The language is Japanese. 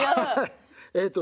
えっと